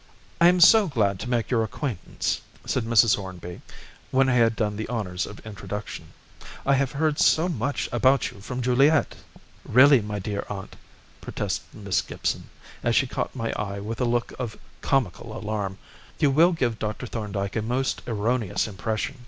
"I am so glad to make your acquaintance," said Mrs. Hornby, when I had done the honours of introduction; "I have heard so much about you from Juliet " "Really, my dear aunt," protested Miss Gibson, as she caught my eye with a look of comical alarm, "you will give Dr. Thorndyke a most erroneous impression.